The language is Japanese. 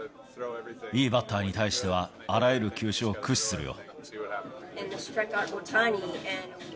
いいバッターに対しては、あらゆる球種を駆使するよ。